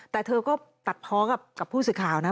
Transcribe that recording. แต่เธอก็ตัดเพาะกับผู้สื่อข่าวนะ